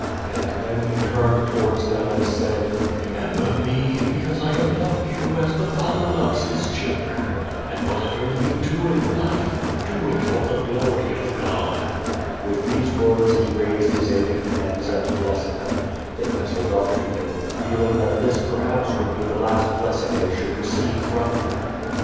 *' And then he turned towards them and said: ''Remember mc, because I have loved you as the father loves his children, and whatever ye do in life, do it for the glory of God. With these words he raised his aged hands and blessed them; they nestled up to him, feeling that this perhaps would be the last blessing they should receive from him.